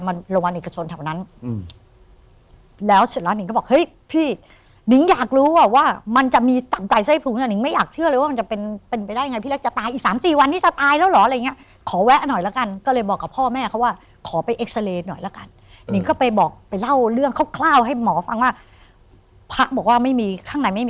มันระวังเอกชนแถวนั้นอืมแล้วเสร็จแล้วนิงก็บอกเฮ้ยพี่หนิงอยากรู้อ่ะว่ามันจะมีต่ำใจไส้พุงนะนิงไม่อยากเชื่อเลยว่ามันจะเป็นเป็นไปได้ไงพี่รักจะตายอีกสามสี่วันนี้จะตายแล้วเหรออะไรอย่างเงี้ยขอแวะหน่อยละกันก็เลยบอกกับพ่อแม่เขาว่าขอไปเอ็กซาเรย์หน่อยละกันนิงก็ไปบอกไปเล่าเรื่องคร่าวให้หมอฟังว่าพระบอกว่าไม่มีข้างในไม่มี